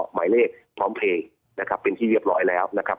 หมายเลขพร้อมเพลงนะครับเป็นที่เรียบร้อยแล้วนะครับ